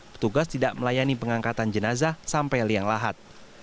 petugas tidak melayani pengangkatan jenazah sampai liang lahat